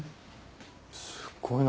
すごいな。